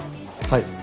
はい。